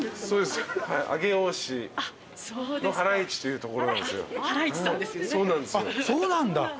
そうなんだ！